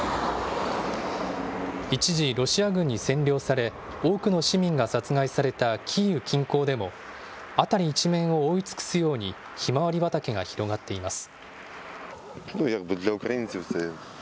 一時、ロシア軍に占領され、多くの市民が殺害されたキーウ近郊でも、辺り一面を覆い尽くすように、ひまわり畑が広がっています。